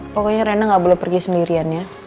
pokoknya rena nggak boleh pergi sendirian ya